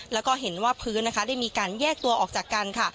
แล้วก็เห็นว่าพื้นนะคะได้มีการแยกตัวออกจากกันค่ะ